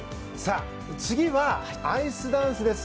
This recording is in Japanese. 次はアイスダンスです。